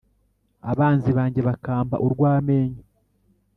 abanzi banjye bakampa urw’amenyo?